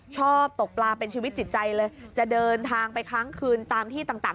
ชอบตกปลาเป็นชีวิตจิตใจเลยจะเดินทางไปค้างคืนตามที่ต่าง